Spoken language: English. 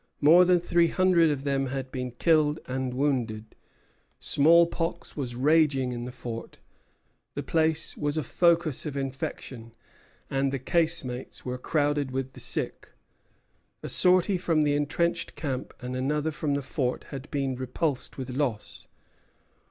More than three hundred of them had been killed and wounded; small pox was raging in the fort; the place was a focus of infection, and the casemates were crowded with the sick. A sortie from the entrenched camp and another from the fort had been repulsed with loss.